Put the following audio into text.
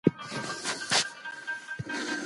ویټامن ډي د هډوکو لپاره اړین دی.